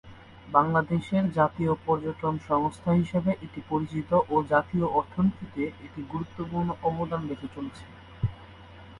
বাংলাদেশের জাতীয় পর্যটন সংস্থা হিসেবে এটি পরিচিত ও জাতীয় অর্থনীতিতে এটি গুরুত্বপূর্ণ অবদান রেখে চলেছে।